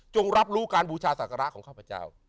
รับรู้การบูชาศักระของข้าพเจ้า